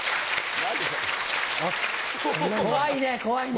怖いね怖いね。